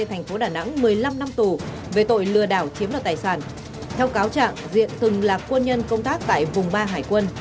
theo cáo trạng diện từng là quân nhân công tác tại vùng ba hải quân